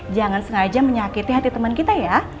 jangan sengaja menyakiti hati teman kita ya